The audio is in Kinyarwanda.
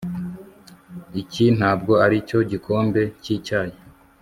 iki ntabwo aricyo gikombe cyicyayi